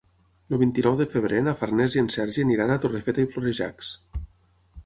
El vint-i-nou de febrer na Farners i en Sergi aniran a Torrefeta i Florejacs.